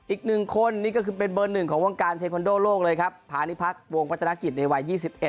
อีกหนึ่งคนนี่ก็คือเป็นเบอร์หนึ่งของวงการเทคอนโดโลกเลยครับพานิพักษ์วงพัฒนากิจในวัย๒๑